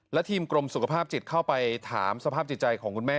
และทีมกรมสุขภาพจิตเข้าไปถามสภาพจิตใจของคุณแม่